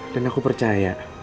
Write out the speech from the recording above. dan aku percaya